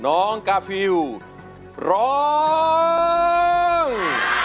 น้องกาฟิลร้อง